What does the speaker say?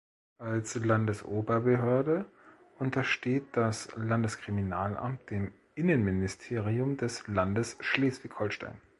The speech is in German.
Als Landesoberbehörde untersteht das Landeskriminalamt dem Innenministerium des Landes Schleswig-Holstein.